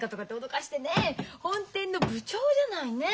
本店の部長じゃないねえ。